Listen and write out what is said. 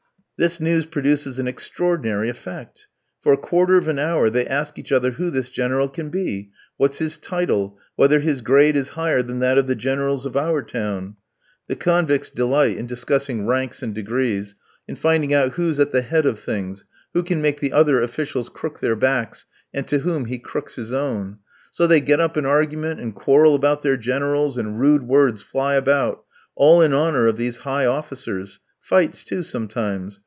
This news produces an extraordinary effect. For a quarter of an hour they ask each other who this General can be? what's his title? whether his grade is higher than that of the Generals of our town? The convicts delight in discussing ranks and degrees, in finding out who's at the head of things, who can make the other officials crook their backs, and to whom he crooks his own; so they get up an argument and quarrel about their Generals, and rude words fly about, all in honour of these high officers fights, too, sometimes.